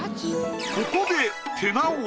ここで。